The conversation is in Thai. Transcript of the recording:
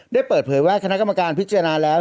ได้เปิดเผยว่าคณะกรรมการพิจารณาแล้ว